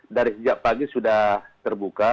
dari sejak pagi sudah terbuka